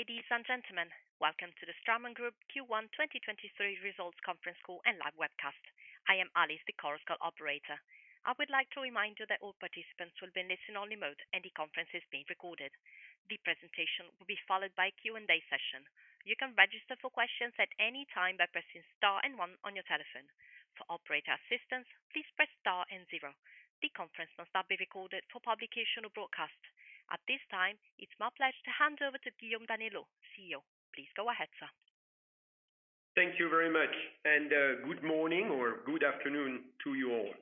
Ladies and gentlemen, welcome to the Straumann Group Q1 2023 Results Conference Call and live webcast. I am Alice, the conference call operator. I would like to remind you that all participants will be in listen-only mode, and the conference is being recorded. The presentation will be followed by a Q&A session. You can register for questions at any time by pressing star and one on your telephone. For operator assistance, please press star and zero. The conference must not be recorded for publication or broadcast. At this time, it's my pleasure to hand over to Guillaume Daniellot, CEO. Please go ahead, sir. Thank you very much, good morning or good afternoon to you all.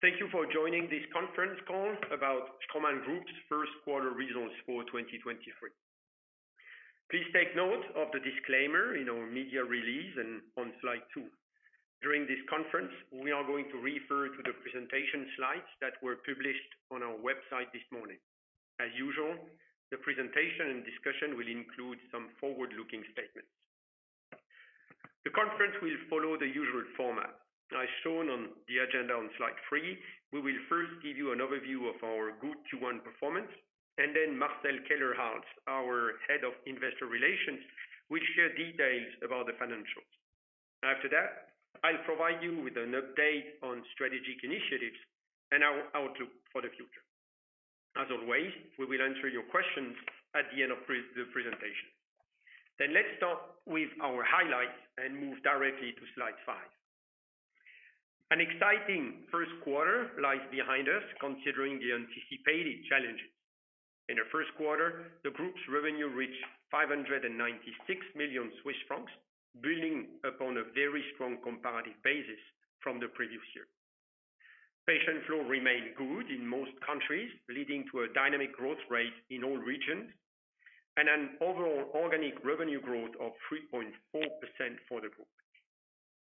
Thank you for joining this conference call about Straumann Group's first quarter results for 2023. Please take note of the disclaimer in our media release and on slide 2. During this conference, we are going to refer to the presentation slides that were published on our website this morning. As usual, the presentation and discussion will include some forward-looking statements. The conference will follow the usual format. As shown on the agenda on slide 3, we will first give you an overview of our good Q1 performance, and then Marcel Kellerhals, our Head of Investor Relations, will share details about the financials. After that, I'll provide you with an update on strategic initiatives and our outlook for the future. As always, we will answer your questions at the end of the presentation. Let's start with our highlights and move directly to slide five. An exciting first quarter lies behind us, considering the anticipated challenges. In the first quarter, the group's revenue reached 596 million Swiss francs, building upon a very strong comparative basis from the previous year. Patient flow remained good in most countries, leading to a dynamic growth rate in all regions and an overall organic revenue growth of 3.4% for the group.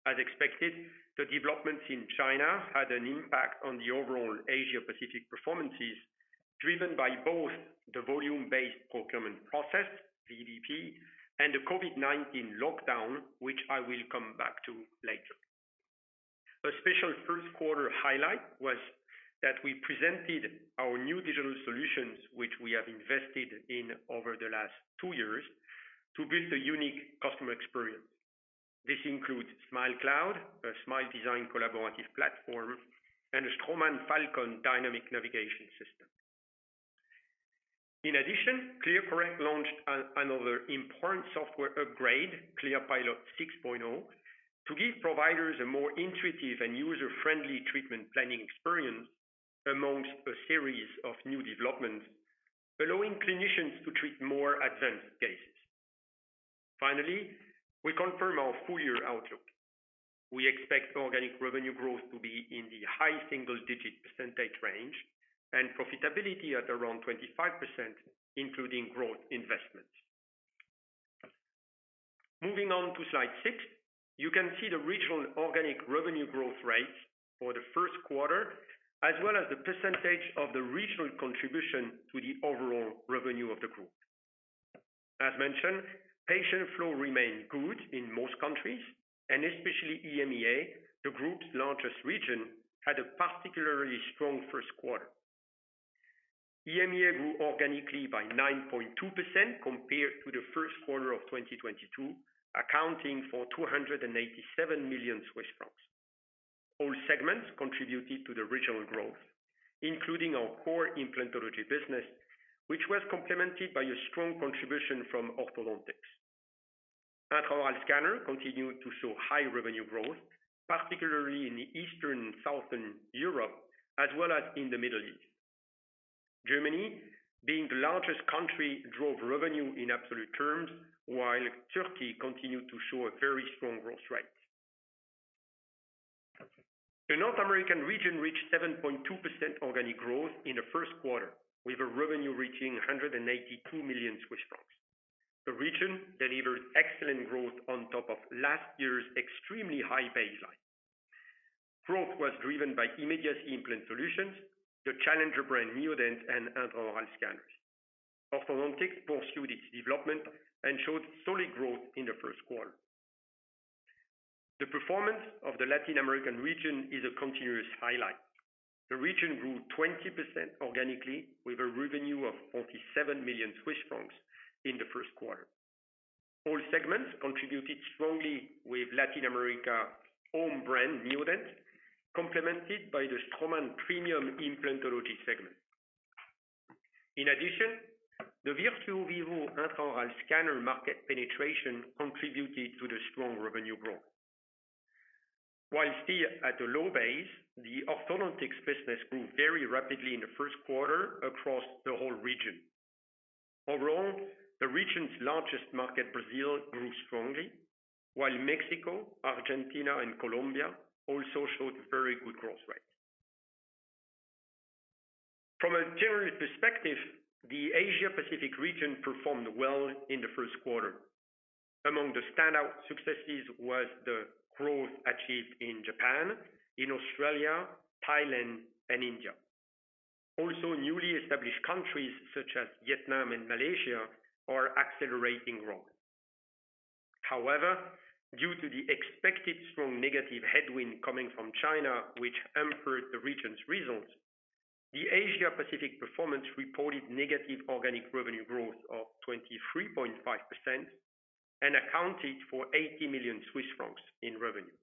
As expected, the developments in China had an impact on the overall Asia-Pacific performances, driven by both the volume-based procurement process, VBP, and the COVID-19 lockdown, which I will come back to later. A special first quarter highlight was that we presented our new digital solutions, which we have invested in over the last two years, to build a unique customer experience. This includes Smilecloud, a smile design collaborative platform, and a Straumann FALCON dynamic navigation system. ClearCorrect launched another important software upgrade, ClearPilot 6.0, to give providers a more intuitive and user-friendly treatment planning experience amongst a series of new developments, allowing clinicians to treat more advanced cases. We confirm our full-year outlook. We expect organic revenue growth to be in the high single-digit percentage range and profitability at around 25%, including growth investments. Moving on to slide 6, you can see the regional organic revenue growth rates for the first quarter, as well as the percentage of the regional contribution to the overall revenue of the group. Patient flow remained good in most countries, and especially EMEA, the group's largest region, had a particularly strong first quarter. EMEA grew organically by 9.2% compared to the first quarter of 2022, accounting for 287 million Swiss francs. All segments contributed to the regional growth, including our core implantology business, which was complemented by a strong contribution from orthodontics. Intraoral scanner continued to show high revenue growth, particularly in the Eastern and Southern Europe, as well as in the Middle East. Germany, being the largest country, drove revenue in absolute terms, while Turkey continued to show a very strong growth rate. The North American region reached 7.2% organic growth in the first quarter, with a revenue reaching 182 million Swiss francs. The region delivered excellent growth on top of last year's extremely high baseline. Growth was driven by immediate implant solutions, the challenger brand Neodent, and intraoral scanners. Orthodontics pursued its development and showed solid growth in the first quarter. The performance of the Latin American region is a continuous highlight. The region grew 20% organically with a revenue of 47 million Swiss francs in the first quarter. All segments contributed strongly with Latin America home brand Neodent, complemented by the Straumann premium implantology segment. The Virtuo Vivo intraoral scanner market penetration contributed to the strong revenue growth. While still at a low base, the orthodontics business grew very rapidly in the first quarter across the whole region. The region's largest market, Brazil, grew strongly, while Mexico, Argentina, and Colombia also showed very good growth rates. From a general perspective, the Asia-Pacific region performed well in the first quarter. Among the standout successes was the growth achieved in Japan, in Australia, Thailand, and India. Also, newly established countries such as Vietnam and Malaysia are accelerating growth. However, due to the expected strong negative headwind coming from China, which hampered the region's results, the Asia Pacific performance reported negative organic revenue growth of 23.5% and accounted for 80 million Swiss francs in revenue.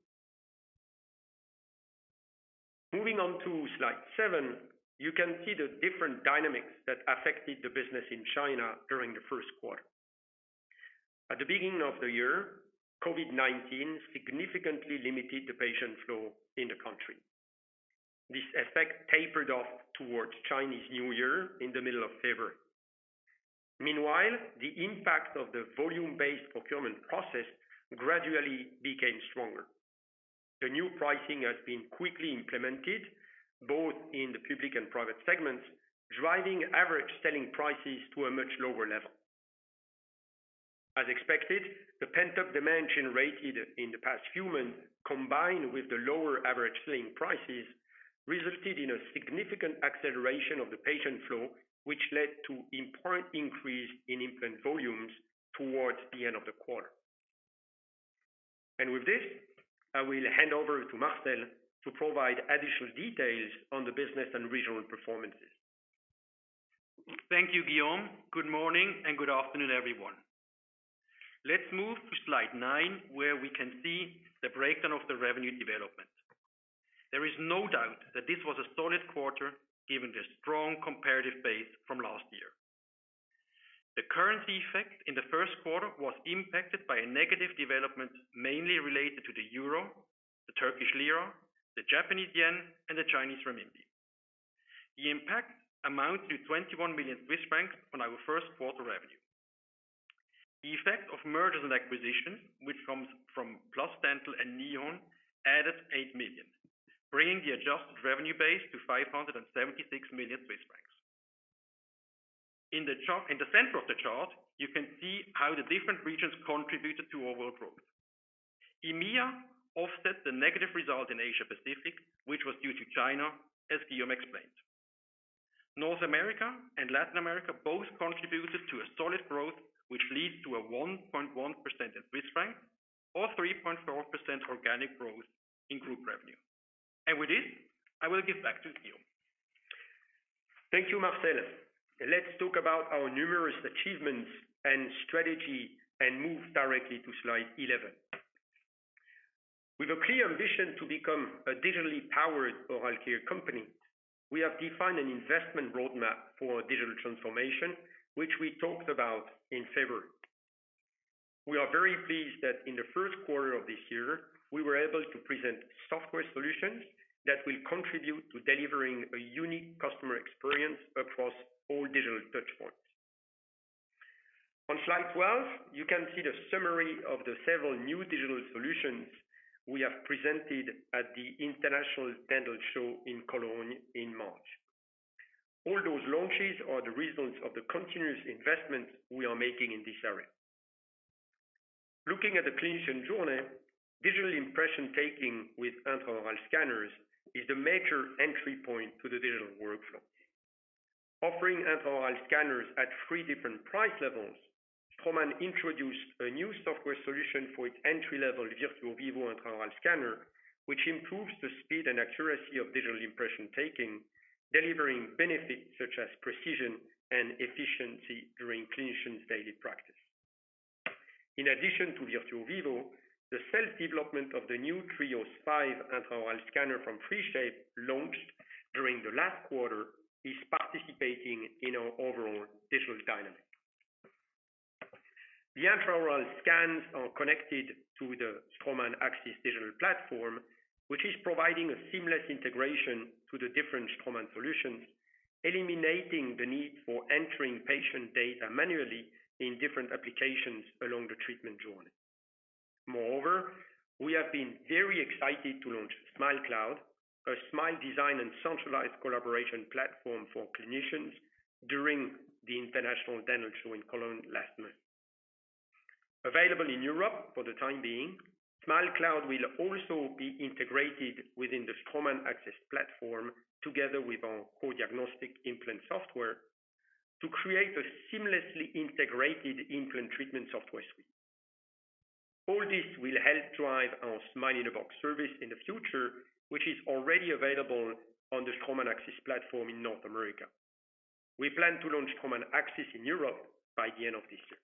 Moving on to slide 7, you can see the different dynamics that affected the business in China during the first quarter. At the beginning of the year, COVID-19 significantly limited the patient flow in the country. This effect tapered off towards Chinese New Year in the middle of February. Meanwhile, the impact of the volume-based procurement process gradually became stronger. The new pricing has been quickly implemented, both in the public and private segments, driving average selling prices to a much lower level. As expected, the pent-up demand generated in the past few months, combined with the lower average selling prices, resulted in a significant acceleration of the patient flow, which led to important increase in implant volumes towards the end of the quarter. With this, I will hand over to Marcel to provide additional details on the business and regional performances. Thank you, Guillaume. Good morning and good afternoon, everyone. Let's move to slide 9, where we can see the breakdown of the revenue development. There is no doubt that this was a solid quarter given the strong comparative base from last year. The currency effect in the first quarter was impacted by a negative development mainly related to the euro, the Turkish lira, the Japanese yen, and the Chinese renminbi. The impact amounted to 21 million Swiss francs on our first quarter revenue. The effect of mergers and acquisitions from PlusDental and Nihon added 8 million, bringing the adjusted revenue base to 576 million francs. In the center of the chart, you can see how the different regions contributed to overall growth. EMEA offset the negative result in Asia Pacific, which was due to China, as Guillaume explained. North America and Latin America both contributed to a solid growth, which leads to a 1.1% in CHF or 3.4% organic growth in group revenue. With this, I will give back to Guillaume. Thank you, Marcel. Let's talk about our numerous achievements and strategy and move directly to slide 11. With a clear ambition to become a digitally powered oral care company, we have defined an investment roadmap for our digital transformation, which we talked about in February. We are very pleased that in the first quarter of this year, we were able to present software solutions that will contribute to delivering a unique customer experience across all digital touchpoints. On slide 12, you can see the summary of the several new digital solutions we have presented at the International Dental Show in Cologne in March. All those launches are the results of the continuous investments we are making in this area. Looking at the clinician journey, digital impression taking with intraoral scanners is the major entry point to the digital workflow. Offering intraoral scanners at three different price levels, Straumann introduced a new software solution for its entry-level Virtuo Vivo intraoral scanner, which improves the speed and accuracy of digital impression taking, delivering benefits such as precision and efficiency during clinicians' daily practice. In addition to Virtuo Vivo, the self-development of the new TRIOS 5 intraoral scanner from 3Shape launched during the last quarter is participating in our overall digital dynamic. The intraoral scans are connected to the Straumann AXS digital platform, which is providing a seamless integration to the different Straumann solutions, eliminating the need for entering patient data manually in different applications along the treatment journey. Moreover, we have been very excited to launch Smilecloud, a smile design and centralized collaboration platform for clinicians during the International Dental Show in Cologne last month. Available in Europe for the time being, Smilecloud will also be integrated within the Straumann AXS platform together with our coDiagnostiX implant software to create a seamlessly integrated implant treatment software suite. All this will help drive our Smile in a Box service in the future, which is already available on the Straumann AXS platform in North America. We plan to launch Straumann AXS in Europe by the end of this year.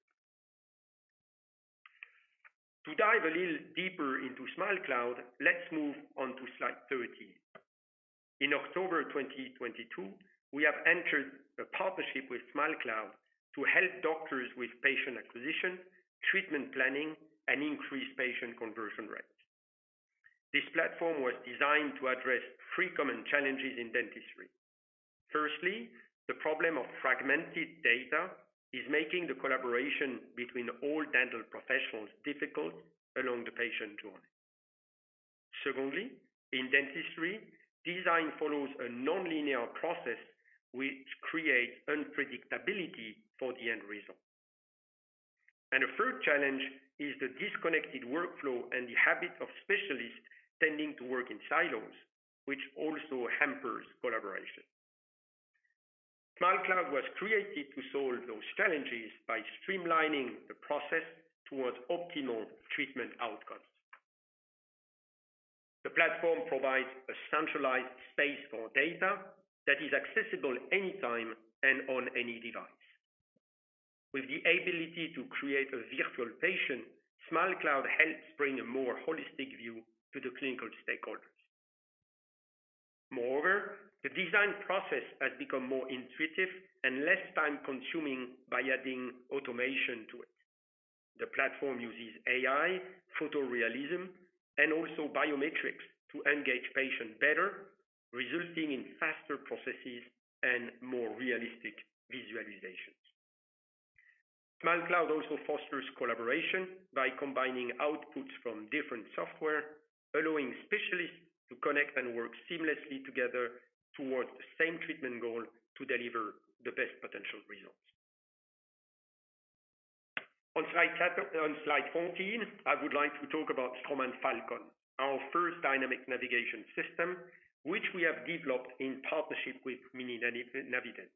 To dive a little deeper into Smilecloud, let's move on to slide 13. In October 2022, we have entered a partnership with Smilecloud to help doctors with patient acquisition, treatment planning, and increased patient conversion rates. This platform was designed to address three common challenges in dentistry. Firstly, the problem of fragmented data is making the collaboration between all dental professionals difficult along the patient journey. Secondly, in dentistry, design follows a nonlinear process which creates unpredictability for the end result. A third challenge is the disconnected workflow and the habit of specialists tending to work in silos, which also hampers collaboration. Smilecloud was created to solve those challenges by streamlining the process towards optimal treatment outcomes. The platform provides a centralized space for data that is accessible anytime and on any device. With the ability to create a virtual patient, Smilecloud helps bring a more holistic view to the clinical stakeholders. Moreover, the design process has become more intuitive and less time-consuming by adding automation to it. The platform uses AI, photorealism, and also biometrics to engage patients better, resulting in faster processes and more realistic visualizations. Smilecloud also fosters collaboration by combining outputs from different software, allowing specialists to connect and work seamlessly together towards the same treatment goal to deliver the best potential results. On slide 14, I would like to talk about Straumann FALCON, our first dynamic navigation system, which we have developed in partnership with Mininavident.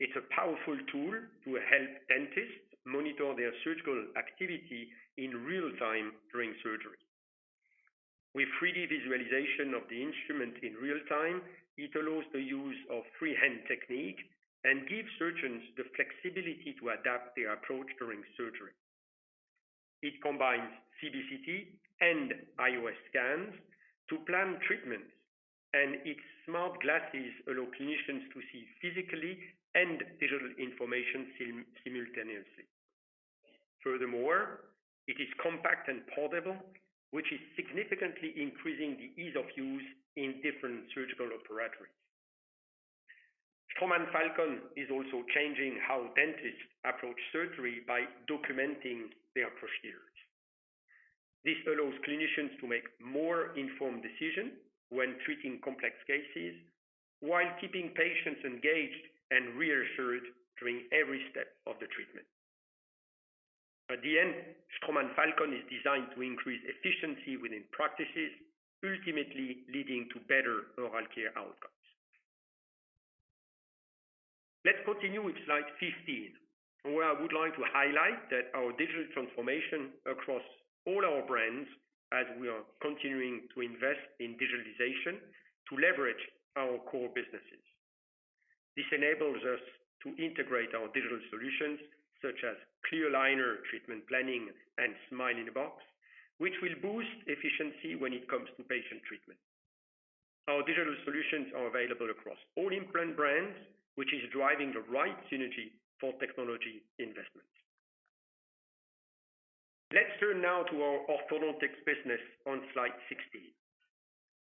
It's a powerful tool to help dentists monitor their surgical activity in real-time during surgery. With 3D visualization of the instrument in real time, it allows the use of freehand technique and gives surgeons the flexibility to adapt their approach during surgery. It combines CBCT and IOS scans to plan treatments, and its smart glasses allow clinicians to see physically and digital information simultaneously. Furthermore, it is compact and portable, which is significantly increasing the ease of use in different surgical operatives. Straumann FALCON is also changing how dentists approach surgery by documenting their procedures. This allows clinicians to make more informed decision when treating complex cases while keeping patients engaged and reassured during every step of the treatment. At the end, Straumann FALCON is designed to increase efficiency within practices, ultimately leading to better oral care outcomes. Let's continue with slide 15, where I would like to highlight that our digital transformation across all our brands as we are continuing to invest in digitalization to leverage our core businesses. This enables us to integrate our digital solutions, such as clear aligner treatment planning and Smile in a Box, which will boost efficiency when it comes to patient treatment. Our digital solutions are available across all implant brands, which is driving the right synergy for technology investments. Let's turn now to our orthodontics business on slide 16.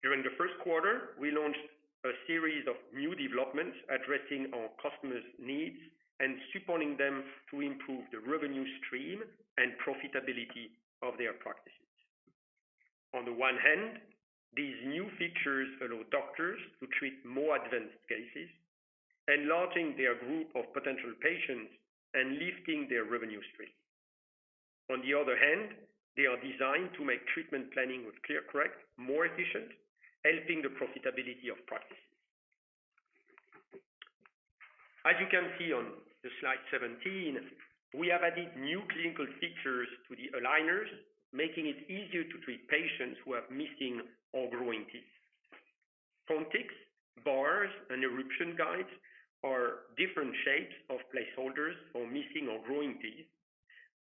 During the first quarter, we launched a series of new developments addressing our customers' needs and supporting them to improve the revenue stream and profitability of their practices. On the one hand, these new features allow doctors to treat more advanced cases, enlarging their group of potential patients and lifting their revenue stream. On the other hand, they are designed to make treatment planning with ClearCorrect more efficient, helping the profitability of practices. As you can see on the slide 17, we have added new clinical features to the aligners, making it easier to treat patients who have missing or growing teeth. Pontics, bars, and eruption guides are different shapes of placeholders for missing or growing teeth,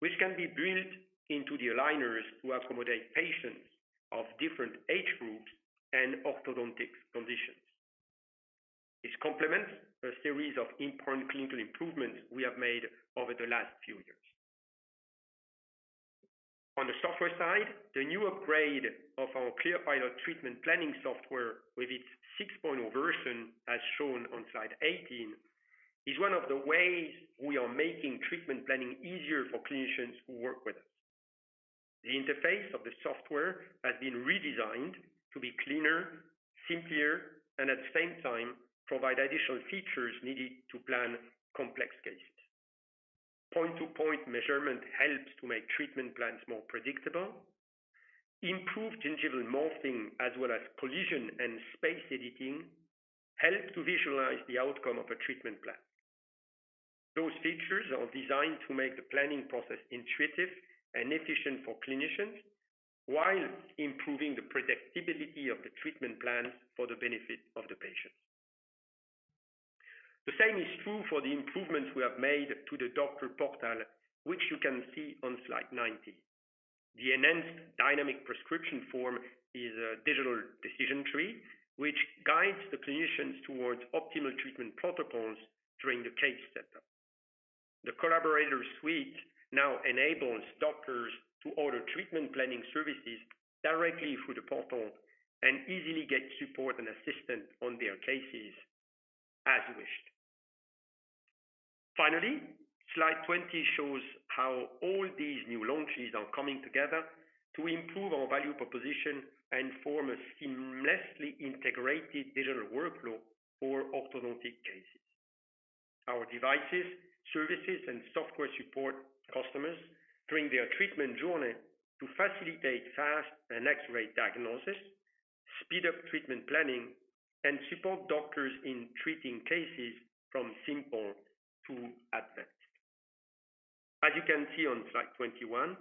which can be built into the aligners to accommodate patients of different age groups and orthodontic conditions. This complements a series of important clinical improvements we have made over the last few years. On the software side, the new upgrade of our ClearPilot treatment planning software with its 6.0 version, as shown on slide 18, is one of the ways we are making treatment planning easier for clinicians who work with us. The interface of the software has been redesigned to be cleaner, simpler, and at the same time, provide additional features needed to plan complex cases. Point-to-point measurement helps to make treatment plans more predictable. Improved gingival morphing, as well as collision and space editing, help to visualize the outcome of a treatment plan. Those features are designed to make the planning process intuitive and efficient for clinicians while improving the predictability of the treatment plans for the benefit of the patients. The same is true for the improvements we have made to the doctor portal, which you can see on slide 19. The enhanced dynamic prescription form is a digital decision tree, which guides the clinicians towards optimal treatment protocols during the case setup. The collaborator suite now enables doctors to order treatment planning services directly through the portal and easily get support and assistance on their cases as wished. Slide 20 shows how all these new launches are coming together to improve our value proposition and form a seamlessly integrated digital workflow for orthodontic cases. Our devices, services, and software support customers during their treatment journey to facilitate fast and X-ray diagnosis, speed up treatment planning, and support doctors in treating cases from simple to advanced. As you can see on slide 21,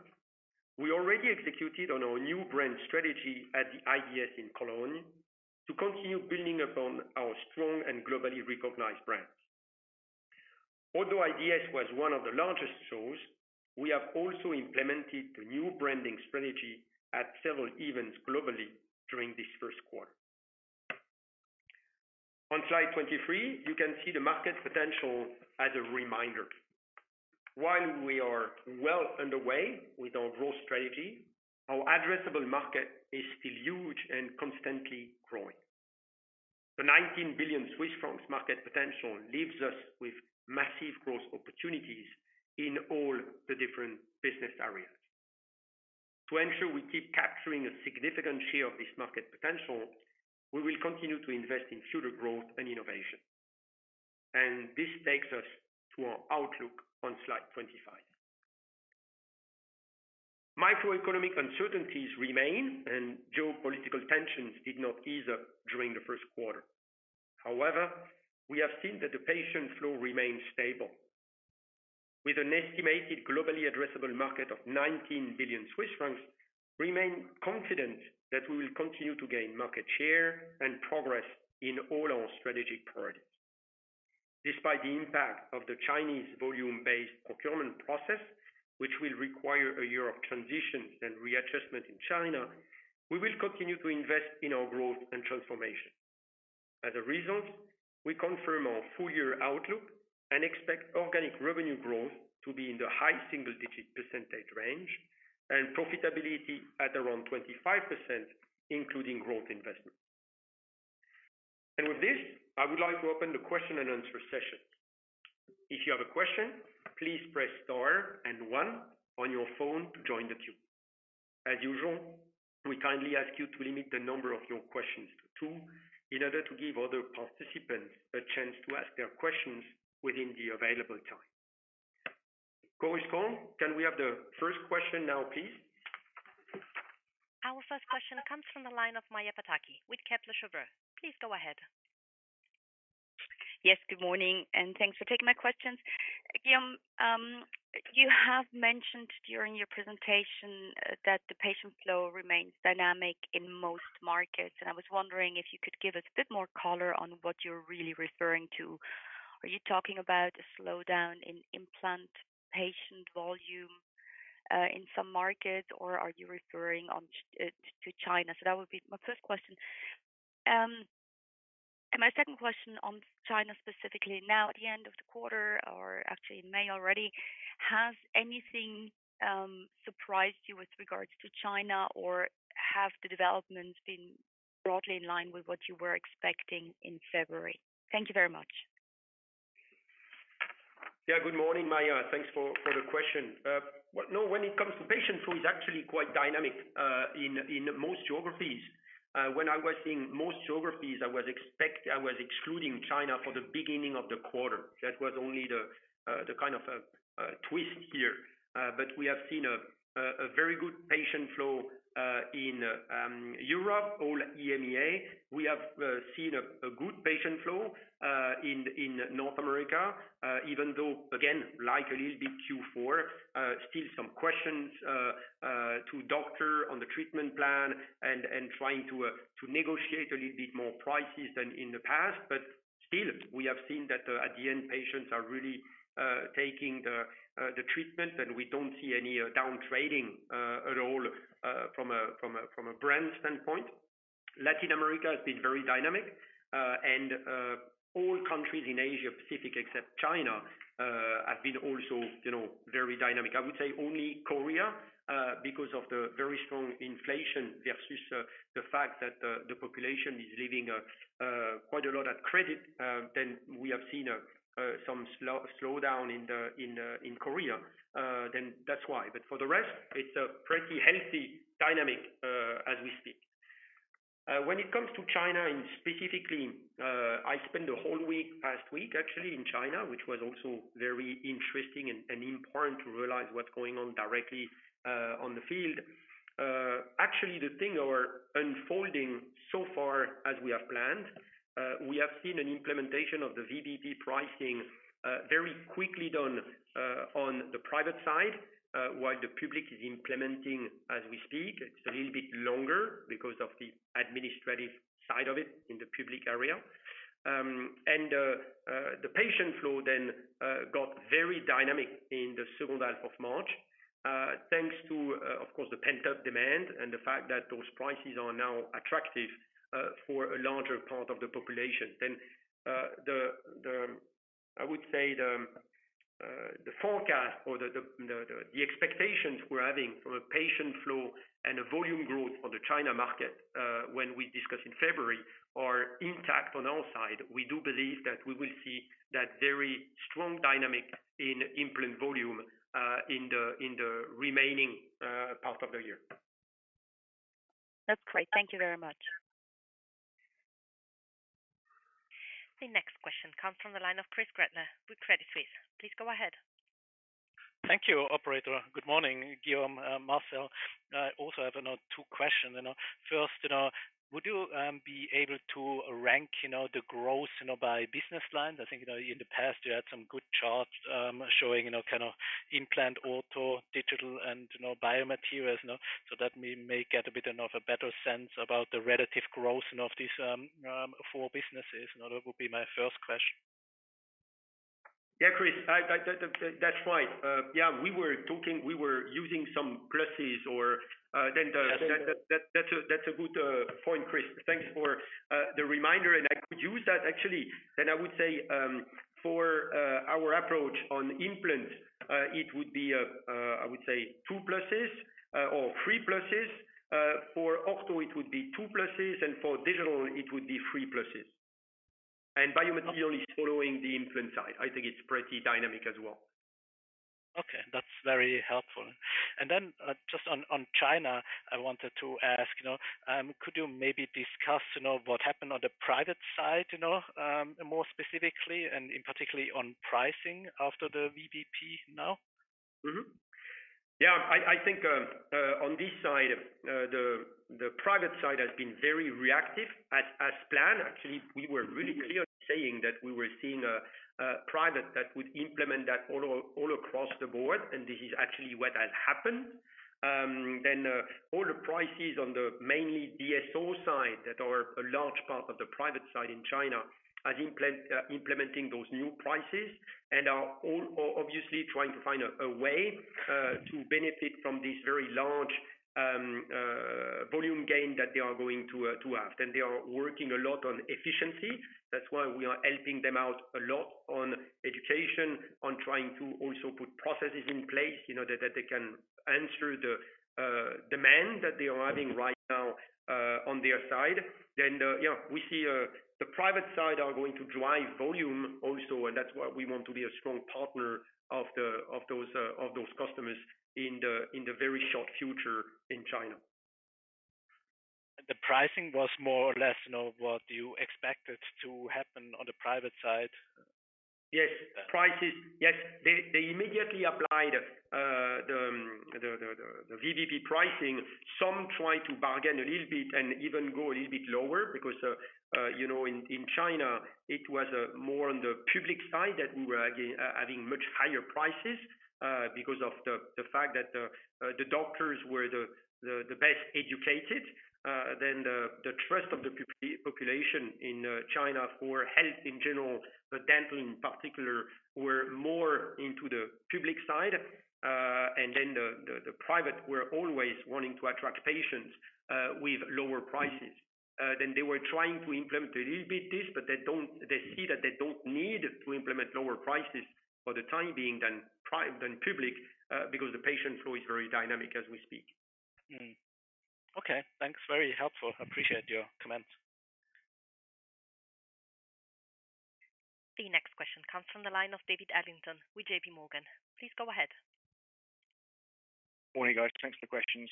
we already executed on our new brand strategy at the IDS in Cologne to continue building upon our strong and globally recognized brands. Although IDS was one of the largest shows, we have also implemented the new branding strategy at several events globally during this first quarter. On slide 23, you can see the market potential as a reminder. While we are well underway with our growth strategy, our addressable market is still huge and constantly growing. The 19 billion Swiss francs market potential leaves us with massive growth opportunities in all the different business areas. To ensure we keep capturing a significant share of this market potential, we will continue to invest in future growth and innovation. This takes us to our outlook on slide 25. Microeconomic uncertainties remain, geopolitical tensions did not ease up during the first quarter. However, we have seen that the patient flow remains stable. With an estimated globally addressable market of 19 billion Swiss francs, remain confident that we will continue to gain market share and progress in all our strategic priorities. Despite the impact of the Chinese volume-based procurement process, which will require a year of transition and readjustment in China, we will continue to invest in our growth and transformation. As a result, we confirm our full-year outlook and expect organic revenue growth to be in the high single-digit percentage range and profitability at around 25%, including growth investment. With this, I would like to open the question-and-answer session. If you have a question, please press star one on your phone to join the queue. As usual, we kindly ask you to limit the number of your questions to two in order to give other participants a chance to ask their questions within the available time. Alice, can we have the first question now, please? Our first question comes from the line of Maja Pataki with Kepler Cheuvreux. Please go ahead. Yes, good morning. Thanks for taking my questions. Guillaume, you have mentioned during your presentation that the patient flow remains dynamic in most markets, and I was wondering if you could give us a bit more color on what you're really referring to. Are you talking about a slowdown in implant patient volume in some markets, or are you referring to China? That would be my first question. My second question on China specifically. Now at the end of the quarter or actually in May already, has anything surprised you with regards to China or have the developments been broadly in line with what you were expecting in February? Thank you very much. Yeah. Good morning, Maja. Thanks for the question. Well, no, when it comes to patient flow, it's actually quite dynamic in most geographies. When I was saying most geographies, I was excluding China for the beginning of the quarter. That was only the kind of a twist here. But we have seen a very good patient flow in Europe, all EMEA. We have seen a good patient flow in North America, even though again, like a little bit Q4, still some questions to doctor on the treatment plan and trying to negotiate a little bit more prices than in the past. Still, we have seen that, at the end, patients are really taking the treatment, and we don't see any downtrading at all from a brand standpoint. Latin America has been very dynamic, and all countries in Asia-Pacific except China have been also, you know, very dynamic. I would say only Korea, because of the very strong inflation versus the fact that the population is living quite a lot at credit, then we have seen some slowdown in Korea. That's why. For the rest, it's a pretty healthy dynamic as we speak. When it comes to China and specifically, I spent the whole week, past week actually in China, which was also very interesting and important to realize what's going on directly on the field. Actually the thing or unfolding so far as we have planned, we have seen an implementation of the VBP pricing very quickly done on the private side, while the public is implementing as we speak. It's a little bit longer because of the administrative side of it in the public area. The patient flow got very dynamic in the second half of March, thanks to, of course, the pent-up demand and the fact that those prices are now attractive for a larger part of the population. I would say the forecast or the expectations we're having from a patient flow and a volume growth for the China market when we discussed in February are intact on our side. We do believe that we will see that very strong dynamic in implant volume in the remaining part of the year. That's great. Thank you very much. The next question comes from the line of Christoph Gretler with Credit Suisse. Please go ahead. Thank you, operator. Good morning, Guillaume, Marcel. I also have another two questions. You know, first, you know, would you be able to rank, you know, the growth, you know, by business line? I think, you know, in the past you had some good charts, showing, you know, kind of implant, auto, digital and, you know, biomaterials, you know. That we may get a bit of a better sense about the relative growth, you know, of these, four businesses. You know, that would be my first question. Yeah, Chris, that's right. Yeah, we were talking, we were using some pluses or. That's a good point, Chris. Thanks for the reminder, and I could use that actually. I would say for our approach on implant, it would be I would say 2 pluses or 3 pluses. For auto it would be 2 pluses, and for digital it would be 3 pluses. Biomaterial is following the implant side. I think it's pretty dynamic as well. Okay, that's very helpful. Just on China, I wanted to ask, you know, could you maybe discuss, you know, what happened on the private side, you know, more specifically, and in particularly on pricing after the VBP now? Yeah, I think on this side, the private side has been very reactive as planned. Actually, we were really clear saying that we were seeing a private that would implement that all across the board, and this is actually what has happened. Then all the prices on the mainly DSO side that are a large part of the private side in China, are implementing those new prices and are all obviously trying to find a way to benefit from this very large volume gain that they are going to have. They are working a lot on efficiency. That's why we are helping them out a lot on education, on trying to also put processes in place, you know, that they can answer the demand that they are having right now on their side. Yeah, we see the private side are going to drive volume also. That's why we want to be a strong partner of those customers in the very short future in China. The pricing was more or less, you know, what you expected to happen on the private side? Yes. Prices. Yes. They immediately applied the VBP pricing. Some tried to bargain a little bit and even go a little bit lower because, you know, in China it was more on the public side that we were having much higher prices because of the fact that the doctors were the best educated. Then the trust of the population in China for health in general, but dental in particular, were more into the public side. Then the private were always wanting to attract patients with lower prices. They were trying to implement a little bit this, but they see that they don't need to implement lower prices for the time being than public, because the patient flow is very dynamic as we speak. Mm-hmm. Okay, thanks. Very helpful. Appreciate your comment. The next question comes from the line of David Adlington with JP Morgan. Please go ahead. Morning, guys. Thanks for the questions.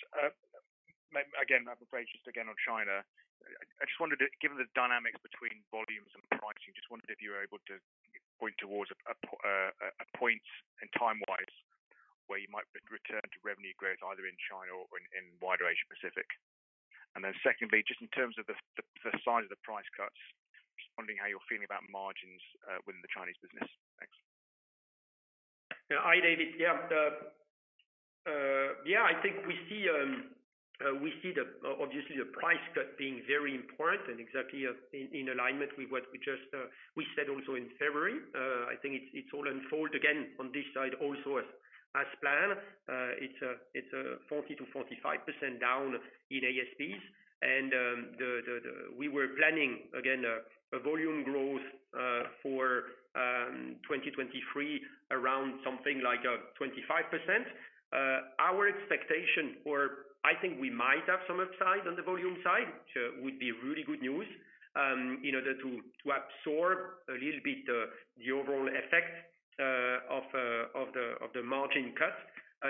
Again, I apologize, just again on China. I just wondered, given the dynamics between volumes and pricing, just wondered if you were able to point towards a point in time-wise where you might return to revenue growth either in China or in wider Asia Pacific. Secondly, just in terms of the size of the price cuts, just wondering how you're feeling about margins within the Chinese business. Thanks. Hi, David. I think we see the obviously the price cut being very important and exactly in alignment with what we just said also in February. I think it's all unfold again on this side also as planned. It's a 40%-45% down in ASPs. We were planning again a volume growth for 2023 around something like 25%. I think we might have some upside on the volume side, which would be really good news in order to absorb a little bit the overall effect of the margin cut.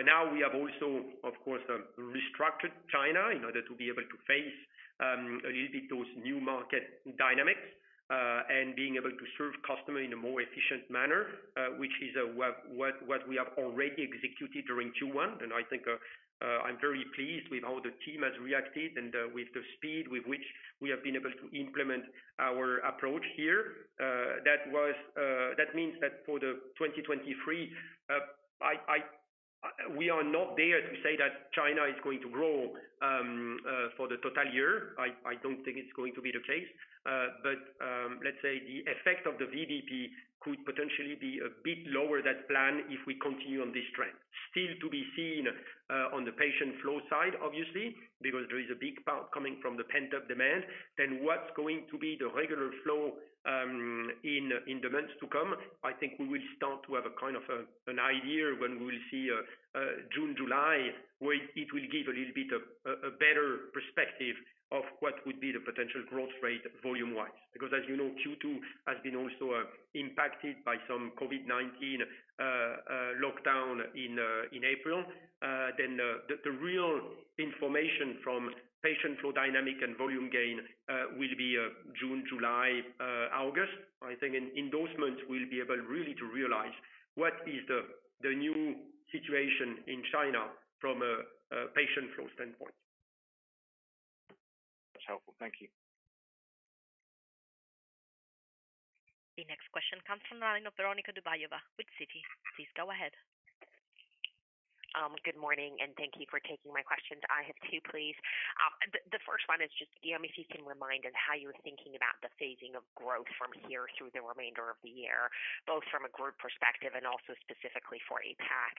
Now we have also, of course, restructured China in order to be able to face a little bit those new market dynamics and being able to serve customer in a more efficient manner, which is what we have already executed during Q1. I think I'm very pleased with how the team has reacted and with the speed with which we have been able to implement our approach here. That was. That means that for the 2023, I. We are not there to say that China is going to grow for the total year. I don't think it's going to be the case. Let's say the effect of the VBP could potentially be a bit lower that plan if we continue on this trend. Still to be seen on the patient flow side, obviously, because there is a big part coming from the pent-up demand. What's going to be the regular flow in the months to come, I think we will start to have a kind of an idea when we will see June, July, where it will give a little bit of a better perspective of what would be the potential growth rate volume-wise. As you know, Q2 has been also impacted by some COVID-19 lockdown in April. The real information from patient flow dynamic and volume gain will be June, July, August. I think in those months we'll be able really to realize what is the new situation in China from a patient flow standpoint. That's helpful. Thank you. The next question comes from the line of Veronika Dubajova with Citi. Please go ahead. Good morning, and thank you for taking my questions. I have 2, please. The first one is just, Guillaume, if you can remind us how you're thinking about the phasing of growth from here through the remainder of the year, both from a group perspective and also specifically for APAC,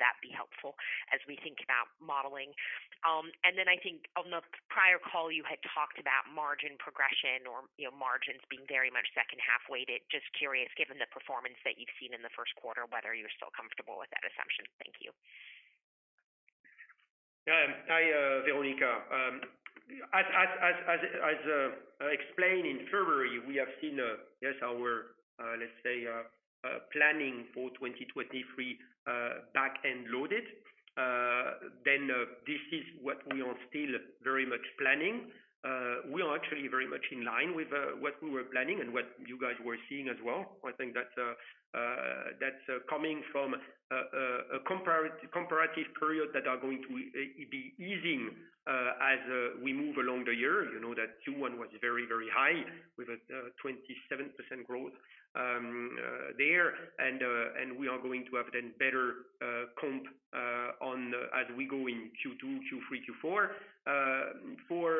that'd be helpful as we think about modeling. I think on the prior call you had talked about margin progression or, you know, margins being very much second half weighted. Just curious, given the performance that you've seen in the first quarter, whether you're still comfortable with that assumption. Thank you. Hi, Veronika. as explained in February, we have seen, yes, our, let's say, planning for 2023 back-end loaded. This is what we are still very much planning. We are actually very much in line with what we were planning and what you guys were seeing as well. I think that's that's coming from a comparative period that are going to be easing as we move along the year. You know that Q1 was very, very high with a 27% growth there. We are going to have then better comp as we go in Q2, Q3, Q4. For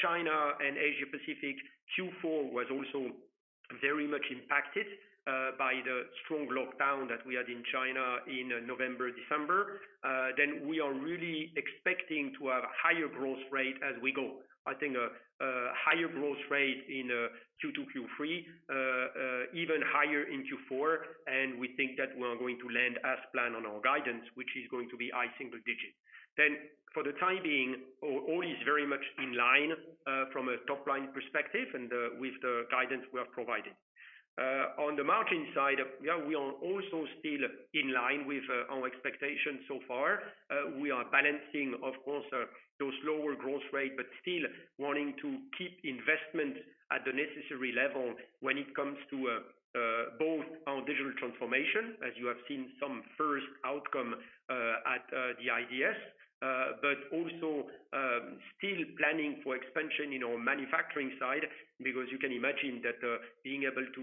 China and Asia Pacific, Q4 was also very much impacted by the strong lockdown that we had in China in November, December. We are really expecting to have higher growth rate as we go. I think a higher growth rate in Q2, Q3, even higher in Q4, and we think that we are going to land as planned on our guidance, which is going to be high single digit. For the time being, all is very much in line from a top line perspective and with the guidance we have provided. On the margin side, yeah, we are also still in line with our expectations so far. We are balancing, of course, those lower growth rate, but still wanting to keep investment at the necessary level when it comes to both our digital transformation, as you have seen some first outcome at the IDS, but also still planning for expansion in our manufacturing side, because you can imagine that being able to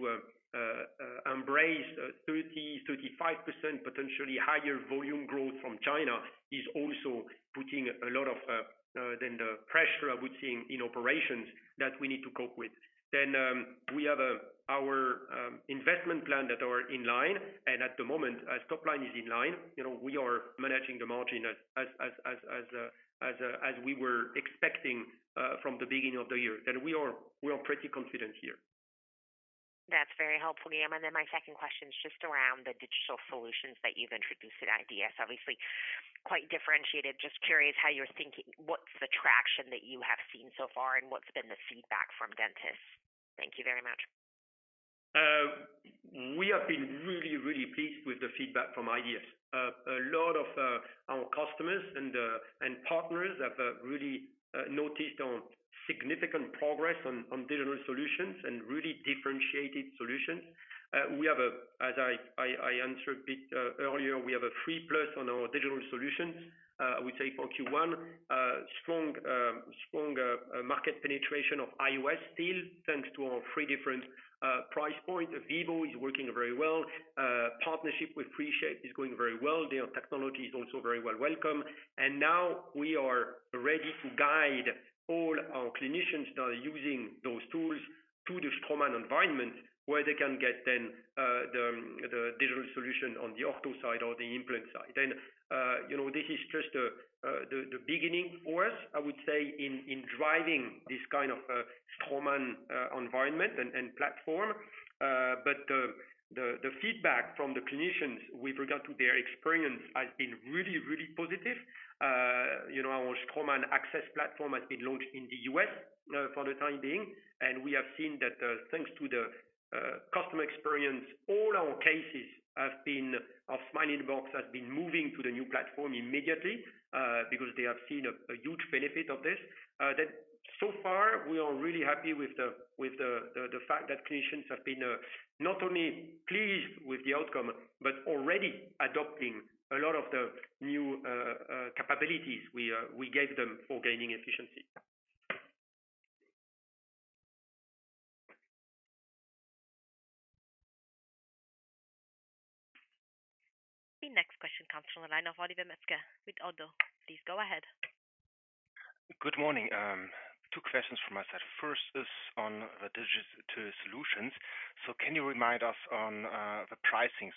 embrace 30%-35% potentially higher volume growth from China is also putting a lot of the pressure we're seeing in operations that we need to cope with. We have our investment plan that are in line, and at the moment, as top line is in line, you know, we are managing the margin as we were expecting from the beginning of the year. We are pretty confident here. That's very helpful, Guillaume. My second question is just around the digital solutions that you've introduced at IDS. Obviously quite differentiated. Just curious what's the traction that you have seen so far, and what's been the feedback from dentists? Thank you very much. We have been really, really pleased with the feedback from IDS. A lot of our customers and partners have really noticed our significant progress on digital solutions and really differentiated solutions. As I answered a bit earlier, we have a 3 plus on our digital solutions. I would say for Q1, strong market penetration of IOS still, thanks to our 3 different price point. Vivo is working very well. Partnership with 3Shape is going very well. Their technology is also very well welcome. Now we are ready to guide all our clinicians that are using those tools to the Straumann environment where they can get then the digital solution on the ortho side or the implant side. You know, this is just the, the beginning for us, I would say, in driving this kind of a Straumann environment and platform. The, the feedback from the clinicians with regard to their experience has been really, really positive. You know, our Straumann AXS platform has been launched in the U.S., for the time being, and we have seen that, thanks to the customer experience, our Smile in a Box has been moving to the new platform immediately, because they have seen a huge benefit of this. So far, we are really happy with the fact that clinicians have been not only pleased with the outcome, but already adopting a lot of the new capabilities we gave them for gaining efficiency. The next question comes from the line of Oliver Metzger with ODDO. Please go ahead. Good morning. Two questions from my side. First is on the solutions. Can you remind us on the pricing?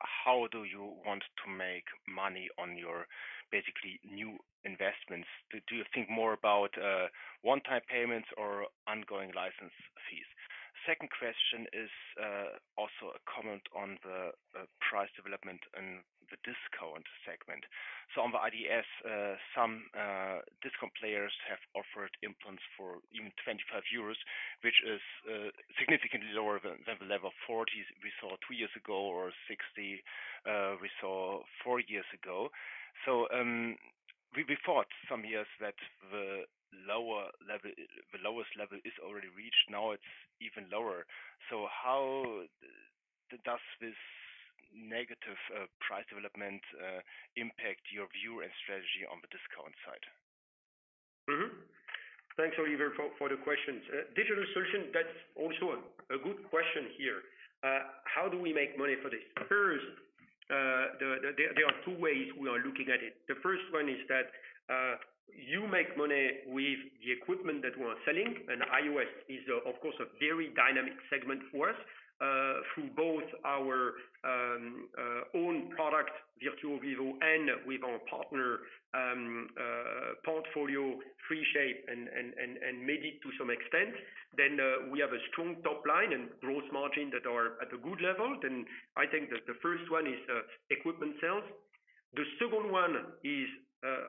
How do you want to make money on your basically new investments? Do you think more about one-time payments or ongoing license fees? Second question is also a comment on the price development in the discount segment. On the IDS, some discount players have offered implants for even 25 euros, which is significantly lower than the level of 40 we saw two years ago or 60 we saw four years ago. We thought some years that the lower level The lowest level is already reached, now it's even lower. How does this negative price development impact your view and strategy on the discount side? Thanks, Oliver, for the questions. Digital solution, that's also a good question here. How do we make money for this? First, there are two ways we are looking at it. The first one is that, you make money with the equipment that we are selling, and IOS is of course a very dynamic segment for us, through both our own product, Virtuo Vivo, and with our partner portfolio 3Shape and Medit to some extent. We have a strong top line and gross margin that are at a good level. I think that the first one is, equipment sales. The second one is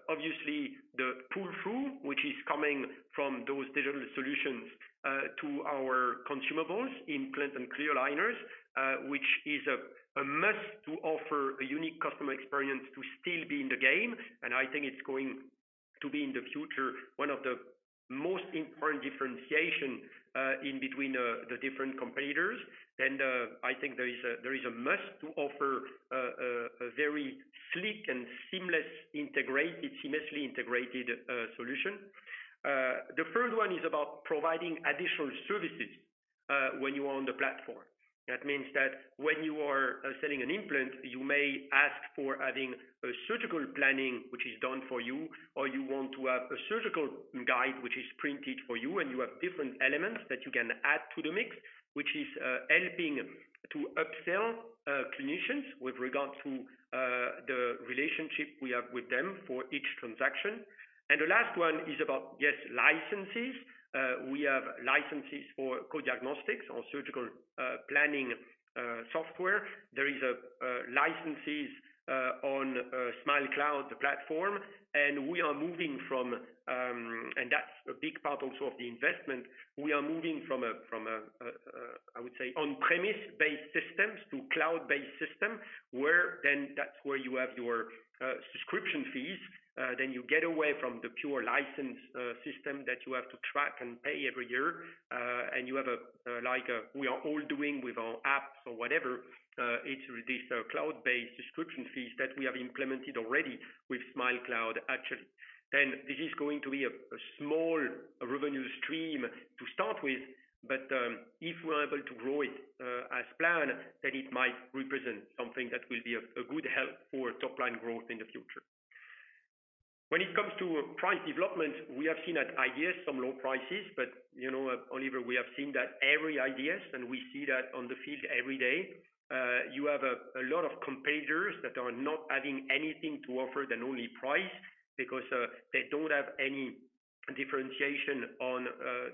obviously the pull-through, which is coming from those digital solutions to our consumables, implants and clear liners, which is a must to offer a unique customer experience to still be in the game. I think it's going to be in the future, one of the most important differentiation in between the different competitors. I think there is a must to offer a very sleek and seamlessly integrated solution. The third one is about providing additional services when you are on the platform. That means that when you are selling an implant, you may ask for adding a surgical planning which is done for you, or you want to have a surgical guide which is printed for you. You have different elements that you can add to the mix, which is helping to upsell clinicians with regard to the relationship we have with them for each transaction. The last one is about, yes, licenses. We have licenses for coDiagnostiX or surgical planning software. There is licenses on Smilecloud platform. We are moving from, I would say, on-premise-based systems to cloud-based system, where then that's where you have your subscription fees. You get away from the pure license system that you have to track and pay every year. You have like a we are all doing with our apps or whatever, it's this cloud-based subscription fees that we have implemented already with Smilecloud actually. This is going to be a small revenue stream to start with, but if we're able to grow it as planned, then it might represent something that will be a good help for top line growth in the future. When it comes to price development, we have seen at IDS some low prices, but you know, Oliver, we have seen that every IDS, and we see that on the field every day. You have a lot of competitors that are not adding anything to offer than only price because they don't have any differentiation on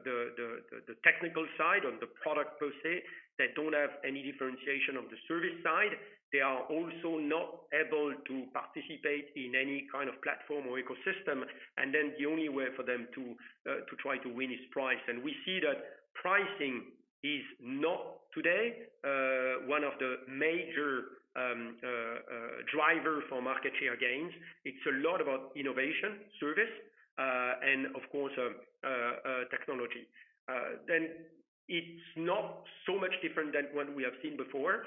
the technical side or the product per se. They don't have any differentiation on the service side. They are also not able to participate in any kind of platform or ecosystem. The only way for them to try to win is price. We see that pricing is not today, one of the major driver for market share gains. It's a lot about innovation, service, and of course, technology. It's not so much different than what we have seen before.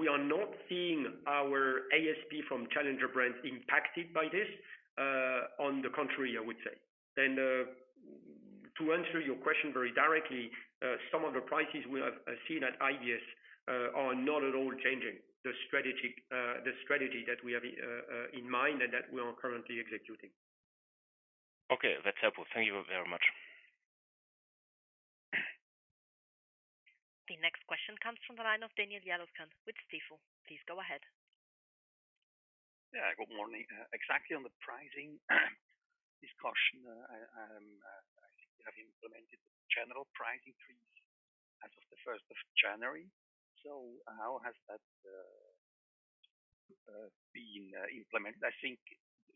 We are not seeing our ASP from challenger brands impacted by this. On the contrary, I would say. To answer your question very directly, some of the prices we have seen at IDS are not at all changing the strategy, the strategy that we have in mind and that we are currently executing. Okay. That's helpful. Thank you very much. The next question comes from the line of Daniel Jelovcan with Stifel. Please go ahead. Exactly on the pricing discussion, I think you have implemented general pricing increase as of the 1st of January. How has that been implemented? I think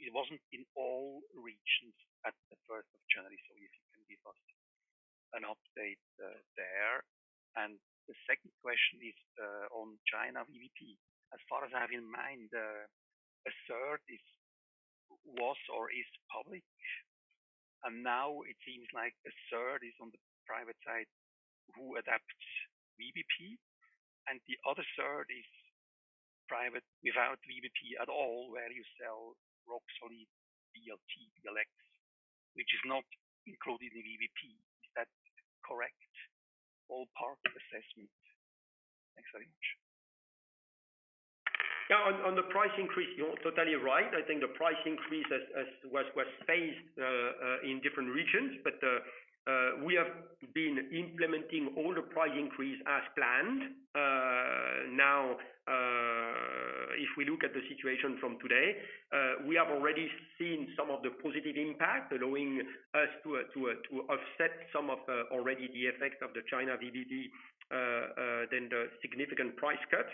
it wasn't in all regions at the 1st of January. If you can give us an update there. The second question is on China VBP. As far as I have in mind, a third was or is public, and now it seems like a third is on the private side who adapts VBP. The other third is private without VBP at all, where you sell Roxolid BLT, BLX, which is not included in VBP. Is that correct or part of assessment? Thanks very much. Yeah. On, on the price increase, you're totally right. I think the price increase has was phased in different regions. We have been implementing all the price increase as planned. Now, if we look at the situation from today, we have already seen some of the positive impact allowing us to offset some of already the effect of the China VBP than the significant price cut.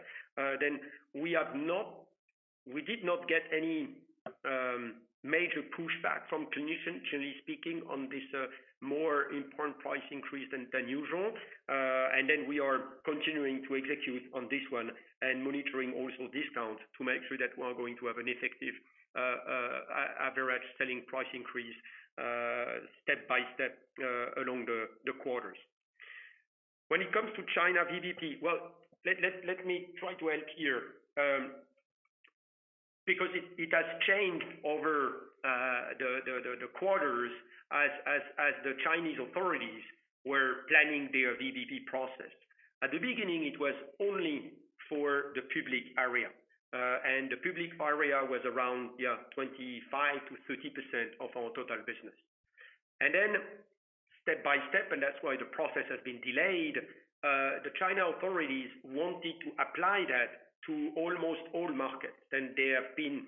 We did not get any major pushback from clinicians, generally speaking, on this more important price increase than usual. We are continuing to execute on this one, and monitoring also discounts to make sure that we are going to have an effective average selling price increase step-by-step along the quarters. When it comes to China VBP, let me try to help here, because it has changed over the quarters as the Chinese authorities were planning their VBP process. At the beginning, it was only for the public area, and the public area was around 25%-30% of our total business. Then step-by-step, and that's why the process has been delayed, the China authorities wanted to apply that to almost all markets. They have been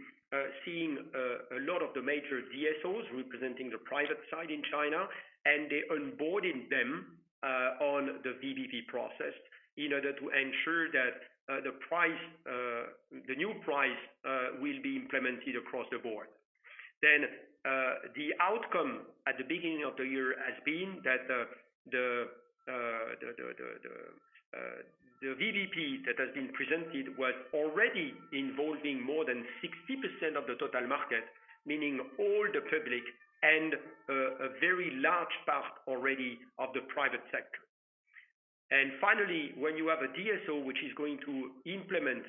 seeing a lot of the major DSOs representing the private side in China, and they're onboarding them on the VBP process in order to ensure that the price, the new price, will be implemented across the board. The outcome at the beginning of the year has been that the VBP that has been presented was already involving more than 60% of the total market, meaning all the public and a very large part already of the private sector. Finally, when you have a DSO, which is going to implement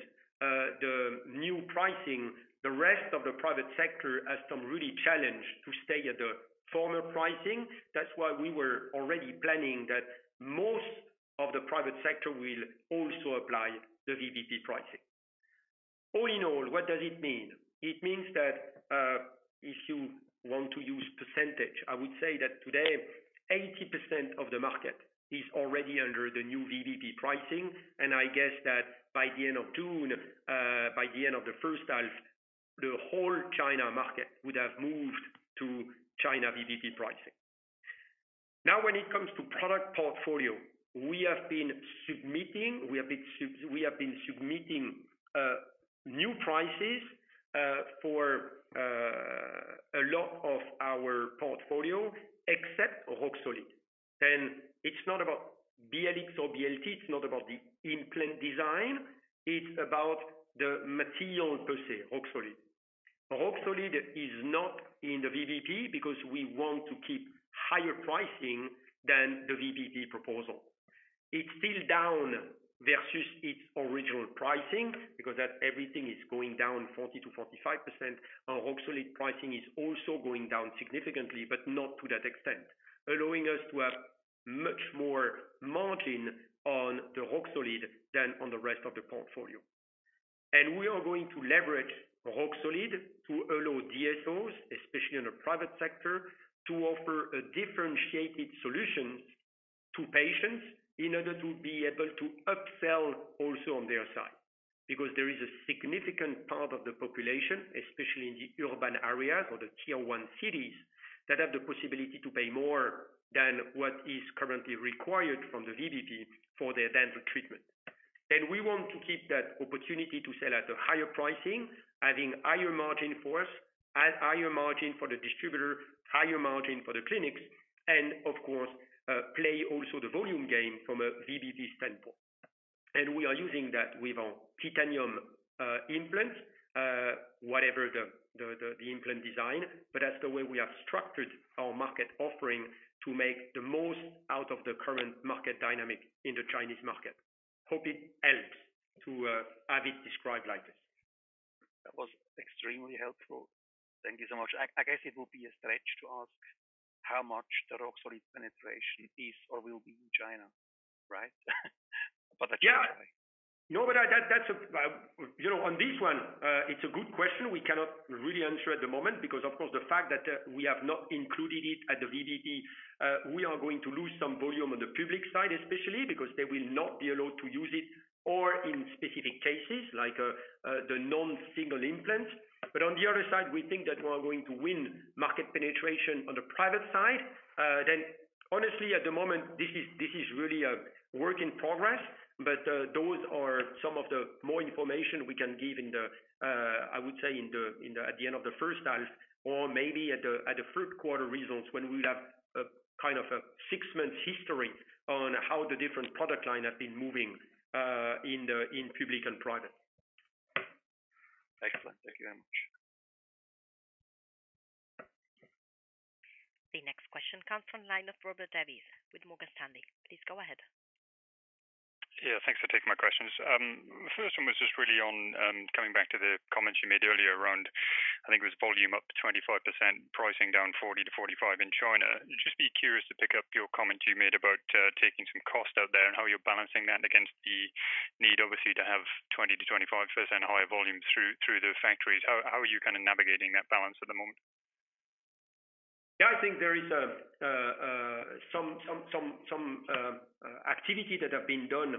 the new pricing, the rest of the private sector has some really challenge to stay at the former pricing. That's why we were already planning that most of the private sector will also apply the VBP pricing. All in all, what does it mean? It means that if you want to use percentage, I would say that today 80% of the market is already under the new VBP pricing, and I guess that by the end of June, by the end of the first half, the whole China market would have moved to China VBP pricing. When it comes to product portfolio, we have been submitting new prices for a lot of our portfolio, except Roxolid. It's not about BLX or BLT, it's not about the implant design, it's about the material per se, Roxolid. Roxolid is not in the VBP because we want to keep higher pricing than the VBP proposal. It's still down versus its original pricing because that everything is going down 40%-45%. Our Roxolid pricing is also going down significantly, but not to that extent, allowing us to have much more margin on the Roxolid than on the rest of the portfolio. We are going to leverage Roxolid to allow DSOs, especially in the private sector, to offer a differentiated solution to patients in order to be able to upsell also on their side. There is a significant part of the population, especially in the urban areas or the tier 1 cities, that have the possibility to pay more than what is currently required from the VBP for their dental treatment. We want to keep that opportunity to sell at a higher pricing, having higher margin for us, at higher margin for the distributor, higher margin for the clinics, and of course, play also the volume game from a VBP standpoint. We are using that with our titanium, implant, whatever the implant design, but that's the way we have structured our market offering to make the most out of the current market dynamic in the Chinese market. Hope it helps to have it described like this. That was extremely helpful. Thank you so much. I guess it would be a stretch to ask how much the Roxolid penetration is or will be in China, right? That's all right. Yeah. No, but that's, you know, on this one, it's a good question. We cannot really answer at the moment because, of course, the fact that we have not included it at the VBP, we are going to lose some volume on the public side, especially because they will not be allowed to use it or in specific cases like the non-single implant. On the other side, we think that we are going to win market penetration on the private side. Honestly, at the moment, this is really a work in progress. Those are some of the more information we can give in the, I would say in the, at the end of the first half or maybe at the, at the third quarter results when we have a kind of a six-month history on how the different product line have been moving, in the, in public and private. Excellent. Thank you very much. The next question comes from the line of Robert Davies with Morgan Stanley. Please go ahead. Thanks for taking my questions. The first one was just really on, coming back to the comments you made earlier around, I think it was volume up 25%, pricing down 40%-45% in China. Just be curious to pick up your comment you made about, taking some cost out there and how you're balancing that against the need, obviously, to have 20%-25% higher volume through the factories. How are you kind of navigating that balance at the moment? Yeah. I think there is some activity that have been done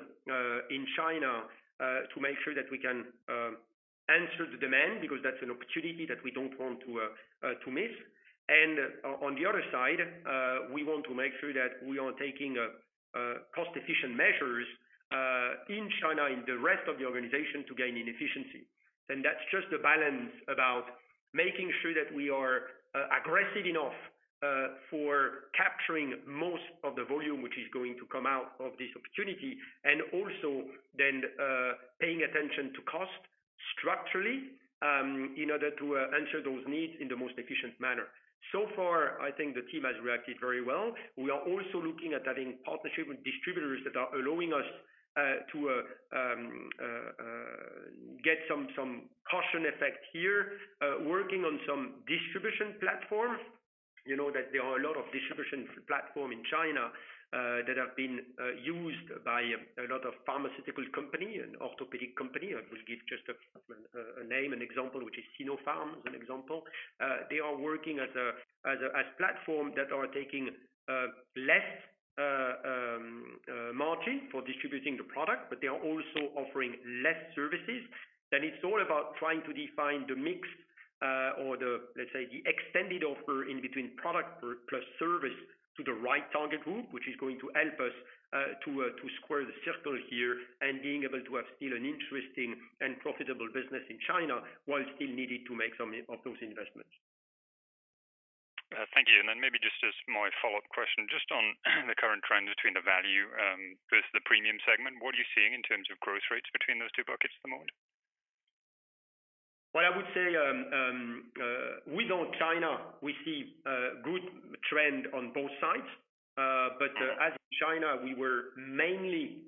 in China to make sure that we can answer the demand because that's an opportunity that we don't want to miss. On the other side, we want to make sure that we are taking cost-efficient measures in China, in the rest of the organization to gain in efficiency. And that's just the balance about making sure that we are aggressive enough for capturing most of the volume, which is going to come out of this opportunity, and also then paying attention to cost structurally in order to answer those needs in the most efficient manner. So far, I think the team has reacted very well. We are also looking at having partnership with distributors that are allowing us to get some caution effect here, working on some distribution platforms. You know that there are a lot of distribution platform in China that have been used by a lot of pharmaceutical company and orthopedic company. I will give just a name and example, which is Sinopharm, as an example. They are working as a platform that are taking less margin for distributing the product, but they are also offering less services. It's all about trying to define the mix, or the, let's say, the extended offer in between product plus service to the right target group, which is going to help us to square the circle here and being able to have still an interesting and profitable business in China while still needing to make some of those investments. Thank you. Maybe just as my follow-up question, just on the current trends between the value versus the premium segment, what are you seeing in terms of growth rates between those two buckets at the moment? Well, I would say, within China, we see good trend on both sides. As China, we were mainly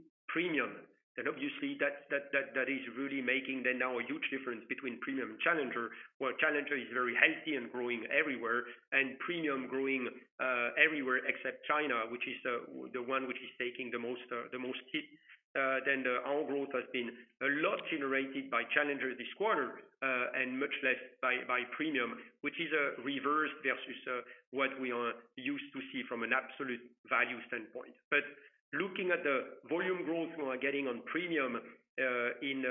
premium. Obviously that, that is really making then now a huge difference between premium and challenger, where challenger is very healthy and growing everywhere, and premium growing everywhere except China, which is the one which is taking the most hit. Our growth has been a lot generated by challenger this quarter, and much less by premium, which is a reverse versus what we are used to see from an absolute value standpoint. Looking at the volume growth we are getting on premium, in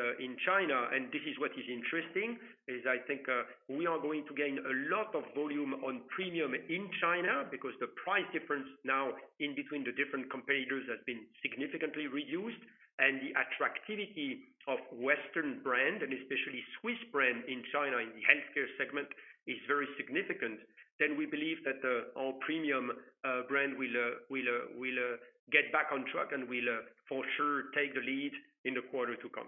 China, and this is what is interesting, is I think, we are going to gain a lot of volume on premium in China because the price difference now in between the different competitors has been significantly reduced, and the attractivity of Western brand, and especially Swiss brand in China in the healthcare segment is very significant. We believe that, our premium, brand will get back on track and will, for sure take the lead in the quarter to come.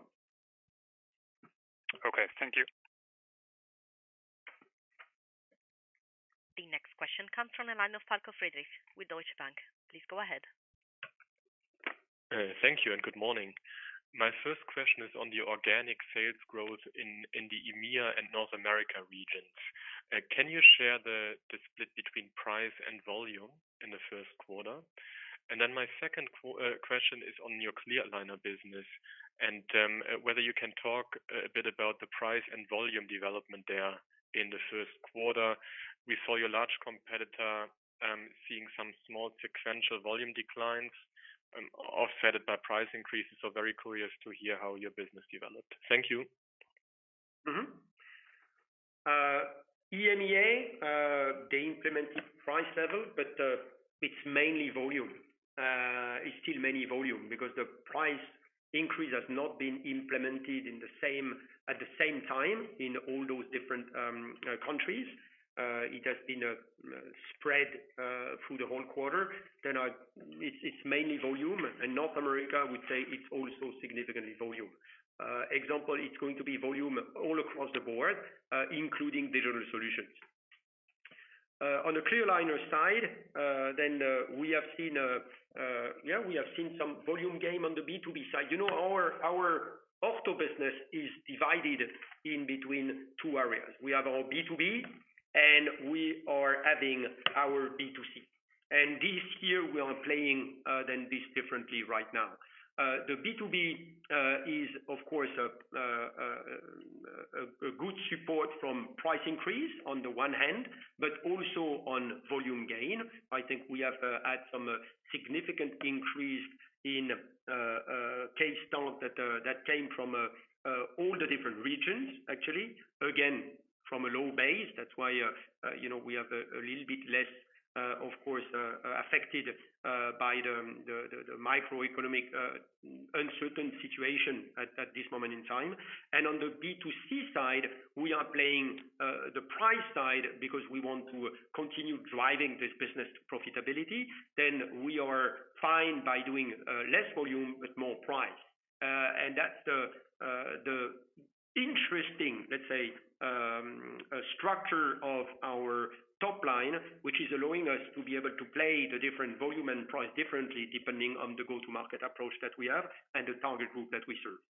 Okay, thank you. The next question comes from the line of Falko Friedrichs with Deutsche Bank. Please go ahead. Thank you and good morning. My first question is on the organic sales growth in the EMEA and North America regions. Can you share the split between price and volume in the first quarter? My second question is on your clear aligner business, and whether you can talk a bit about the price and volume development there in the first quarter. We saw your large competitor seeing some small sequential volume declines, offset it by price increases, very curious to hear how your business developed. Thank you. EMEA, they implemented price level, but it's mainly volume. It's still mainly volume because the price increase has not been implemented at the same time in all those different countries. It has been spread through the whole quarter. It's mainly volume. In North America, we say it's also significantly volume. Example, it's going to be volume all across the board, including digital solutions. On the clear aligner side, we have seen, yeah, we have seen some volume gain on the B2B side. You know, our ortho business is divided in between two areas. We have our B2B and we are having our B2C. This year we are playing then this differently right now. The B2B is of course a good support from price increase on the one hand, but also on volume gain. I think we have had some significant increase in case start that came from all the different regions, actually. Again, from a low base. That's why, you know, we have a little bit less of course affected by the microeconomic uncertain situation at this moment in time. On the B2C side, we are playing the price side because we want to continue driving this business profitability. We are fine by doing less volume but more price. That's the interesting, let's say, structure of our top line, which is allowing us to be able to play the different volume and price differently depending on the go-to-market approach that we have and the target group that we serve.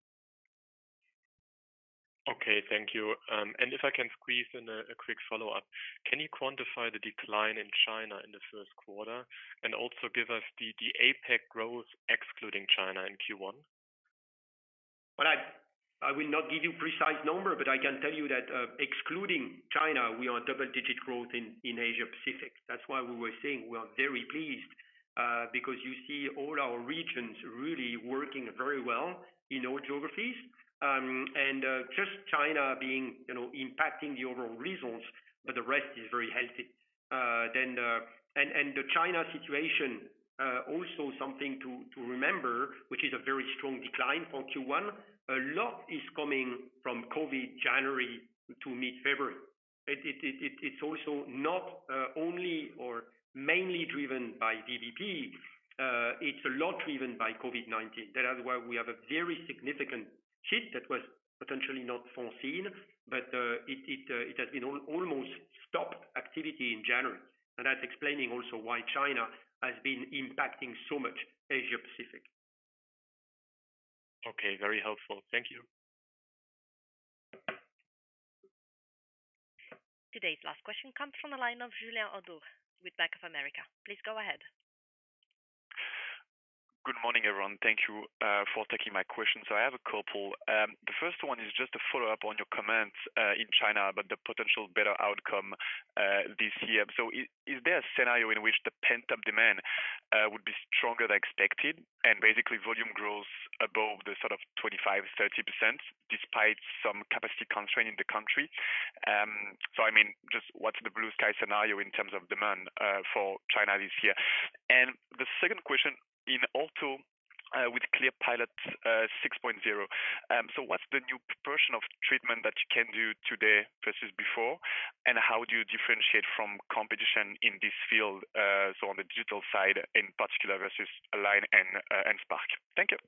Okay, thank you. If I can squeeze in a quick follow-up. Can you quantify the decline in China in the first quarter and also give us the APAC growth excluding China in Q1? I will not give you precise number, but I can tell you that, excluding China, we are double-digit growth in Asia Pacific. That's why we were saying we are very pleased because you see all our regions really working very well in all geographies. Just China being, you know, impacting the overall results, but the rest is very healthy. And the China situation also something to remember, which is a very strong decline for Q1, a lot is coming from COVID January to mid-February. It's also not only or mainly driven by VBP. It's a lot driven by COVID-19. That is why we have a very significant hit that was potentially not foreseen, but it has been almost stopped activity in January. That's explaining also why China has been impacting so much Asia-Pacific. Okay, very helpful. Thank you. Today's last question comes from the line of Julien Ouaddour with Bank of America. Please go ahead. Good morning, everyone. Thank you for taking my question. I have a couple. The first one is just a follow-up on your comments in China about the potential better outcome this year. Is there a scenario in which the pent-up demand would be stronger than expected and basically volume grows above the sort of 25%, 30% despite some capacity constraint in the country? I mean, just what's the blue sky scenario in terms of demand for China this year? The second question, in ortho, with ClearPilot 6.0, what's the new proportion of treatment that you can do today versus before? How do you differentiate from competition in this field, so on the digital side, in particular versus Align and Spark? Thank you.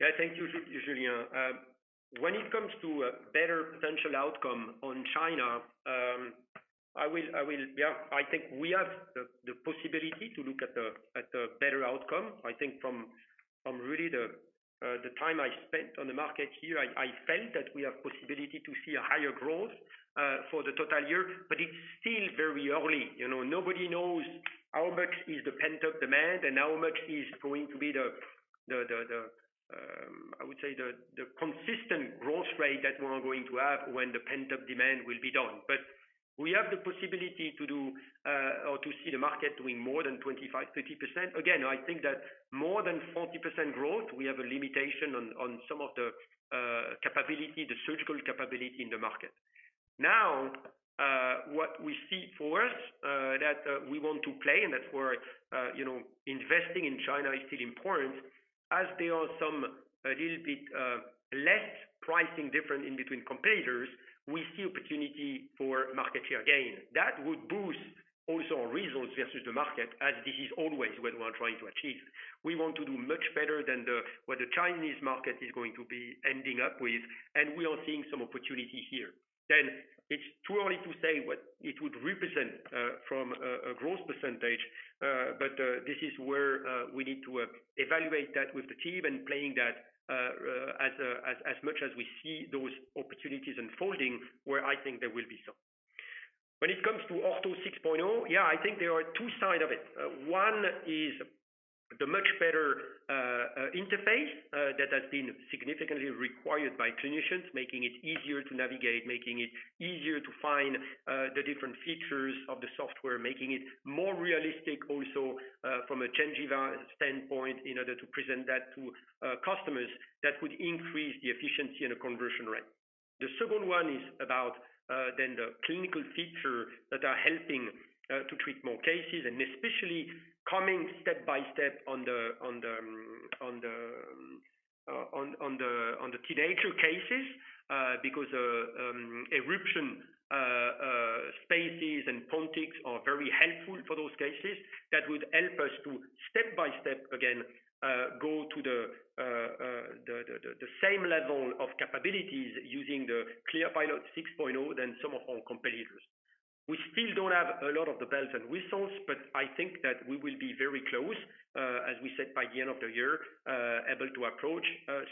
Yeah, thank you, Julien. When it comes to a better potential outcome on China, I will, yeah, I think we have the possibility to look at a better outcome. I think from really the time I spent on the market here, I felt that we have possibility to see a higher growth for the total year, but it's still very early. You know, nobody knows how much is the pent-up demand and how much is going to be the consistent growth rate that we are going to have when the pent-up demand will be done. We have the possibility to do or to see the market doing more than 25%-30%. Again, I think that more than 40% growth, we have a limitation on some of the capability, the surgical capability in the market. Now, what we see for us, that we want to play and that we're, you know, investing in China is still important. There are some, a little bit, less pricing difference in between competitors, we see opportunity for market share gain. Would boost also our resource versus the market, as this is always what we're trying to achieve. We want to do much better than what the Chinese market is going to be ending up with, we are seeing some opportunity here. It's too early to say what it would represent from a growth percentage, but this is where we need to evaluate that with the team and playing that as much as we see those opportunities unfolding, where I think there will be some. When it comes to Ortho 6.0, yeah, I think there are two side of it. One is the much better interface that has been significantly required by clinicians, making it easier to navigate, making it easier to find the different features of the software, making it more realistic also from a gingiva standpoint in order to present that to customers. That would increase the efficiency and the conversion rate. The second one is about then the clinical feature that are helping to treat more cases, especially coming step-by-step on the teenager cases, because eruption spaces and pontics are very helpful for those cases. That would help us to step-by-step, again, go to the same level of capabilities using the ClearPilot 6.0 than some of our competitors. We still don't have a lot of the bells and whistles, I think that we will be very close, as we said, by the end of the year, able to approach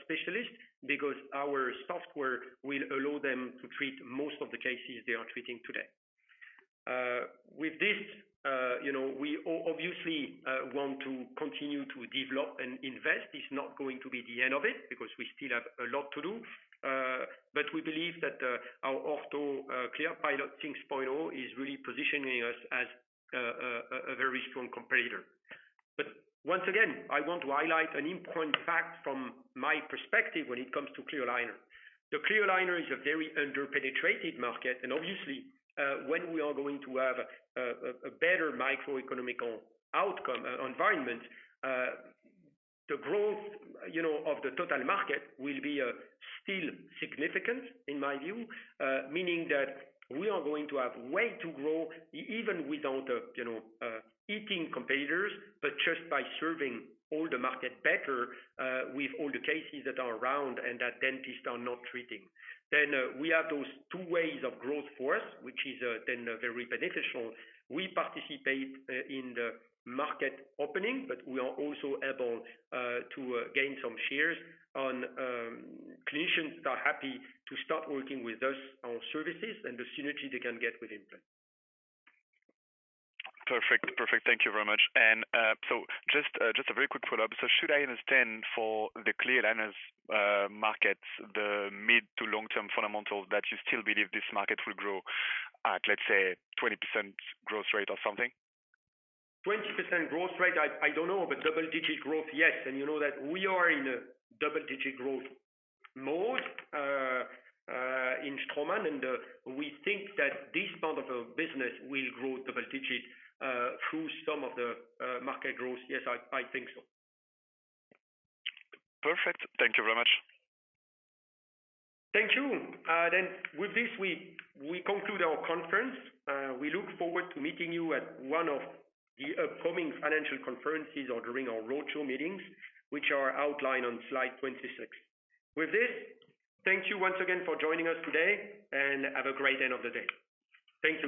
specialists because our software will allow them to treat most of the cases they are treating today. With this, you know, we obviously want to continue to develop and invest. It's not going to be the end of it because we still have a lot to do. We believe that our Ortho ClearPilot 6.0 is really positioning us as a very strong competitor. Once again, I want to highlight an important fact from my perspective when it comes to clear aligner. The clear aligner is a very under-penetrated market. Obviously, when we are going to have a better microeconomic outcome, environment, the growth, you know, of the total market will be still significant in my view, meaning that we are going to have way to grow even without, you know, eating competitors, but just by serving all the market better, with all the cases that are around and that dentists are not treating. We have those two ways of growth for us, which is then very beneficial. We participate in the market opening, but we are also able to gain some shares on clinicians that are happy to start working with us on services and the synergy they can get with implant. Perfect. Perfect. Thank you very much. Just a very quick follow-up. Should I understand for the clear aligners market, the mid to long-term fundamentals, that you still believe this market will grow at, let's say, 20% growth rate or something? 20% growth rate, I don't know, but double-digit growth, yes. You know that we are in a double-digit growth mode in Straumann, and we think that this part of our business will grow double digit through some of the market growth. I think so. Perfect. Thank you very much. Thank you. With this, we conclude our conference. We look forward to meeting you at one of the upcoming financial conferences or during our virtual meetings, which are outlined on slide 26. With this, thank you once again for joining us today, and have a great end of the day. Thanks, everybody.